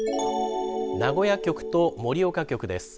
名古屋局と盛岡局です。